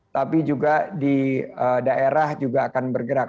tapi juga di daerah juga akan bergerak